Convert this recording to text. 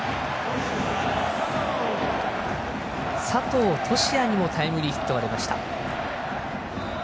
佐藤都志也にもタイムリーヒットが出ました。